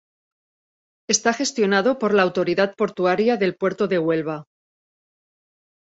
Está gestionado por la autoridad portuaria del Puerto de Huelva.